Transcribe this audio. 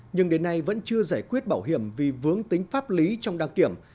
nhưng đến nay vẫn chưa giải quyết bảo hiểm vì vướng tính pháp lý trong đăng kiểm